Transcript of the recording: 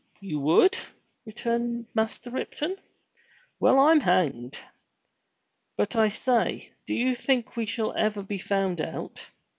"You would?" returned Master Ripton. Well Vm hanged! But I say, do you think we shall ever be found out?"